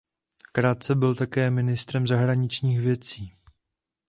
Krátce byl také ministrem zahraničních věcí.